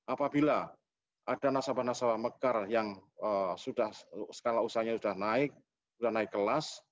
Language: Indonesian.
apabila ada nasabah nasabah mekar yang sudah skala usahanya sudah naik sudah naik kelas